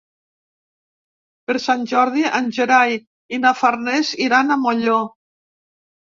Per Sant Jordi en Gerai i na Farners iran a Molló.